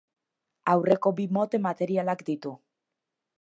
Aurreko bi moten materialak ditu.